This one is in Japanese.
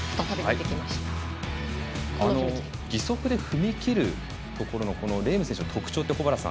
義足で踏み切るところのレーム選手の特徴って保原さん